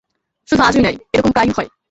শুধু আজই নয়, এরকম প্রায়ই হয়।